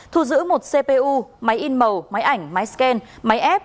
thu giữ một cpu máy in màu máy ảnh máy scan máy ép